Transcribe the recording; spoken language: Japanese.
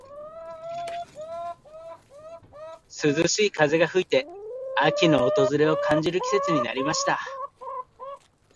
涼しい風が吹いて、秋の訪れを感じる季節になりました。